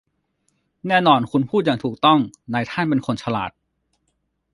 แน่นอนคุณพูดอย่างถูกต้องนายท่านเป็นคนฉลาด